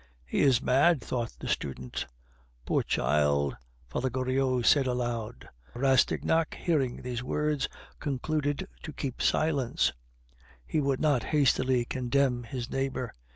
"He is mad," thought the student. "Poor child!" Father Goriot said aloud. Rastignac, hearing those words, concluded to keep silence; he would not hastily condemn his neighbor.